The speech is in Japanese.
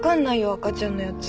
赤ちゃんのやつ。